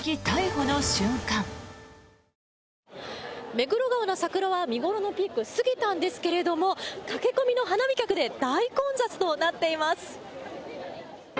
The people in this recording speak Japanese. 目黒川の桜は見頃のピークは過ぎたんですけども駆け込みの花見客で大混雑となっています。